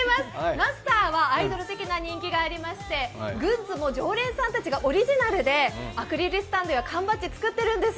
マスターはアイドル的な人気がありましてグッズも常連さんたちがオリジナルでアクリルスタンドや缶バッジを作っているんです。